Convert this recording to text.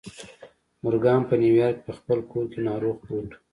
مورګان په نیویارک کې په خپل کور کې ناروغ پروت و